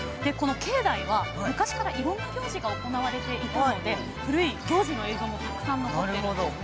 境内は昔から、いろんな行事が行われていたので古い行事の映像もたくさん残っているんです。